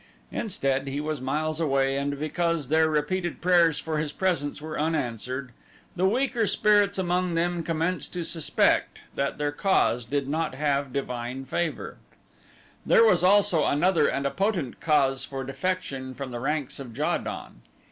Instead, he was miles away and because their repeated prayers for his presence were unanswered, the weaker spirits among them commenced to suspect that their cause did not have divine favor. There was also another and a potent cause for defection from the ranks of Ja don.